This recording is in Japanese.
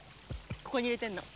ここに入れてんの。